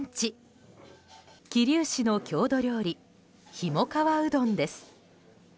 桐生市の郷土料理ひもかわうどんです。